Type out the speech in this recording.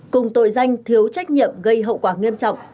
cùng tội danh thiếu trách nhiệm gây hậu quả nghiêm trọng